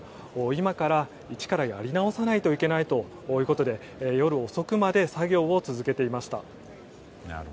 今から一からやり直さないといけないということで、夜遅くまで作業を続けていました。